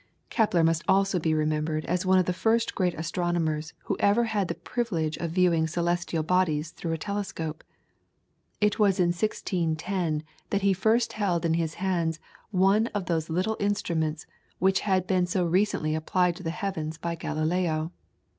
Kepler must also be remembered as one of the first great astronomers who ever had the privilege of viewing celestial bodies through a telescope. It was in 1610 that he first held in his hands one of those little instruments which had been so recently applied to the heavens by Galileo.